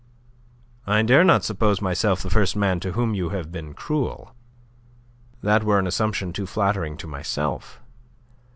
"I dare not suppose myself the first man to whom you have been cruel. That were an assumption too flattering to myself.